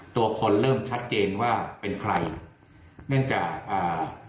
ตัวคนเริ่มชัดเจนว่าเป็นใครเนื่องจากอ่า